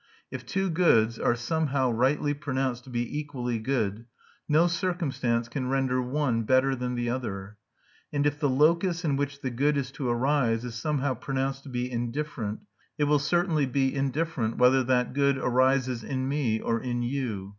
If two goods are somehow rightly pronounced to be equally good, no circumstance can render one better than the other. And if the locus in which the good is to arise is somehow pronounced to be indifferent, it will certainly be indifferent whether that good arises in me or in you.